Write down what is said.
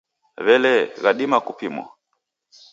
W'elee, ghadima kupimwa?